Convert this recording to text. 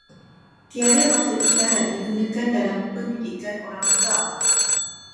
Tiada bahasa isyarat digunakan dalam pendidikan orang pekak.